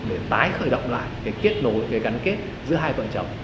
để tái khởi động lại cái kết nối cái gắn kết giữa hai vợ chồng